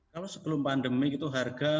kalau sebelum pandemi itu harga